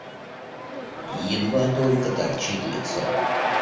Едва только торчит лицо.